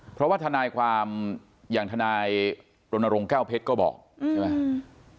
เพราะว่าทนายความอย่างทนายรณรงค์แก้วเพชรก็บอกใช่ไหม